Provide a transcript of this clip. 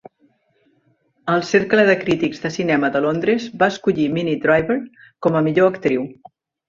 El Cercle de Crítics de Cinema de Londres va escollir Minnie Driver com a millor actriu.